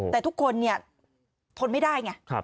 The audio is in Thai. แต่ทุกคนทนไม่ได้ไง